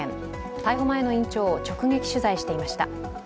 逮捕前の院長を直撃取材していました。